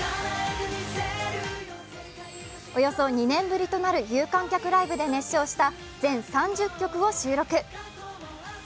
およそ２年ぶりとなる有観客ライブで熱唱した全３０曲を収録。